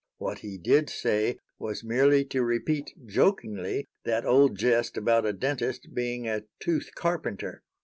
What he did say was merely to repeat jokingly that old jest about a dentist being a 'tooth carpenter.'